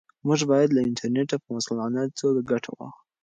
موږ باید له انټرنیټه په مسؤلانه توګه ګټه واخلو.